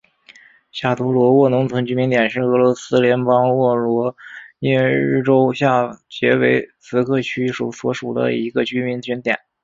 下图罗沃农村居民点是俄罗斯联邦沃罗涅日州下杰维茨克区所属的一个农村居民点。